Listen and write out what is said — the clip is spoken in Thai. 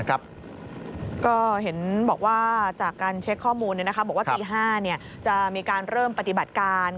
ก็เห็นบอกว่าจากการเช็คข้อมูลบอกว่าตี๕จะมีการเริ่มปฏิบัติการ